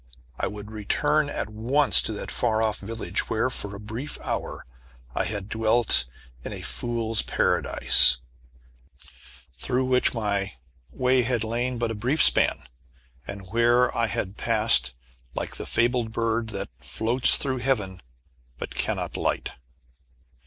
I would return at once to that far off village where, for a brief hour, I had dwelt in a "Fool's Paradise," through which my way had lain but a brief span, and where I had passed, like the fabled bird, that "floats through Heaven, but cannot light."